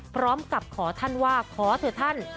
พร้อมกับขอท่านว่าขอเถอะท่าน